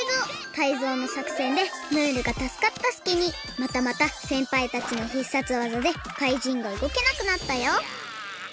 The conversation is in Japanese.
タイゾウのさくせんでムールがたすかったすきにまたまたせんぱいたちの必殺技でかいじんがうごけなくなったよ